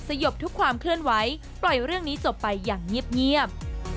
สยบทุกความเคลื่อนไหวปล่อยเรื่องนี้จบไปอย่างเงียบ